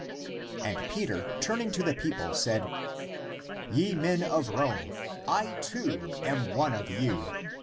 And Peter, turn ing to the people, said, " Ye men of Rome, I, too, am one of you!